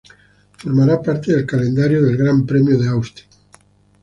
Formará parte del calendario el gran premio de Austin.